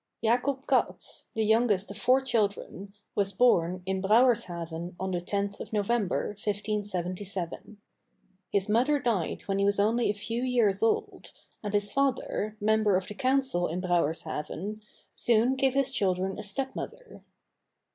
Jacob Cats, the youngest of four children, was born in Brouwershaven on the 10th of November, 1577. His mother died when he was only a few years old, and his father, member of the council in Brouwershaven, soon gave his children a stepmother.